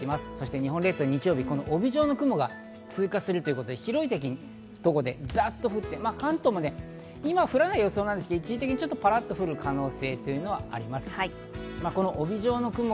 日本列島、帯状の雲が通過するということで広いところで、ざっと降って、関東も今、降らない予想ですが、一時的にぱらっと降る可能性というのはあります。